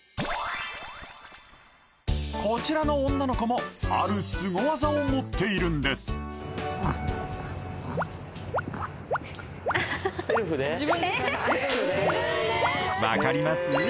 こちらの女の子もある凄技を持っているんです分かります？